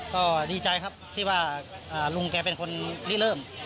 ก็ดีใจครับที่ว่าลุงแกเป็นคนที่เริ่ม